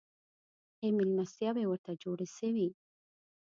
ښې مېلمستیاوي ورته جوړي سوې.